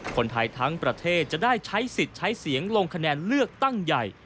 คนไทยทั้งประเทศจะได้ใช้สิทธิ์ใช้เสียงลงคะแนนเลือกตั้งใหญ่